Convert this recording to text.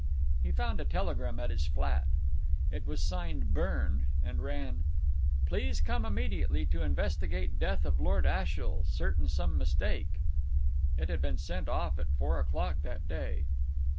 He found a telegram at his flat. It was signed Byrne, and ran: "Please come immediately to investigate death of Lord Ashiel certain some mistake." It had been sent off at four o'clock that day.